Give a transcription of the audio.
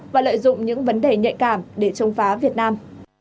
và lợi dụng những vấn đề nhạy cảm để chống phá việt nam